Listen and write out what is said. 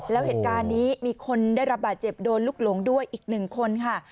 แล้วเหตุการณ์นี้มีคนได้รับบาดเจ็บโดนลูกหลงด้วยอีกหนึ่งคนค่ะ